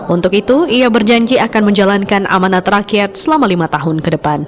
untuk itu ia berjanji akan menjalankan amanat rakyat selama lima tahun ke depan